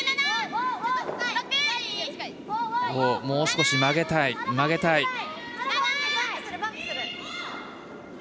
もう少し曲げたい。